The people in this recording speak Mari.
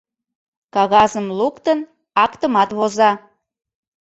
Кагазым луктын, актымат воза.